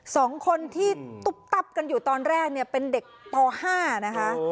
สองคนที่ตุ๊บตับกันอยู่ตอนแรกเนี่ยเป็นเด็กป๕นะคะ